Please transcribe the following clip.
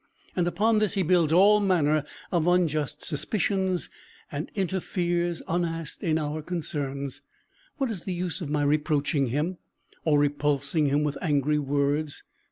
And upon this he builds all manner of unjust suspicions, and interferes, unasked, in our concerns. What is the use of my reproaching him, or repulsing him with angry words?